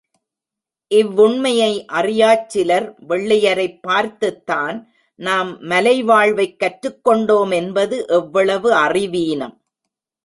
இவ்வுண்மையை அறியாச் சிலர், வெள்ளையரைப் பார்த்துத்தான், நாம் மலைவாழ்வைக் கற்றுக் கொண்டோம் என்பது எவ்வளவு அறிவீனம்.